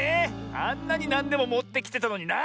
あんなになんでももってきてたのにな。